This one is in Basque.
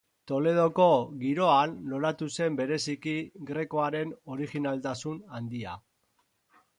Toledoko giroan loratu zen bereziki Grekoaren originaltasun handia.